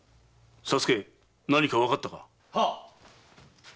佐助何かわかったか。